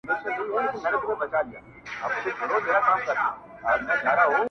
هم ښکاري ؤ هم جنګي ؤ هم غښتلی.